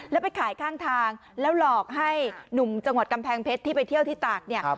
แล้วไปขายข้างทางแล้วหลอกให้หนุ่มจังหวัดกำแพงเพชรที่ไปเที่ยวที่ตากเนี่ย